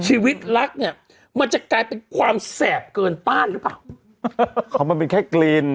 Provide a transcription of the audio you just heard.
ชีวิตรักเนี่ยมันจะกลายเป็นความแสบเกินต้านหรือเปล่าของมันเป็นแค่กลีน